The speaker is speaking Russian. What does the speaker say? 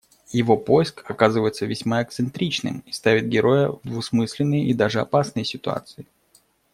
Его поиск оказывается весьма эксцентричным и ставит героя в двусмысленные и даже опасные ситуации.